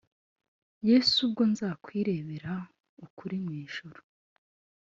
Yesu ubwo nzakwirebera ukuri mu ijuru